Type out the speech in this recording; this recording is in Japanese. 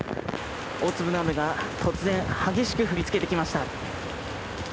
大粒の雨が突然、激しく降りつけてきました。